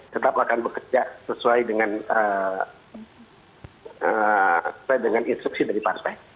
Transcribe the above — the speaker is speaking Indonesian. tetap akan bekerja sesuai dengan instruksi dari partai